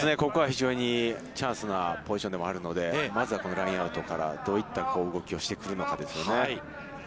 ここは非常にチャンスなポジションでもあるのでまず、ここはラインアウトからどういった動きをしてくるのかですよね。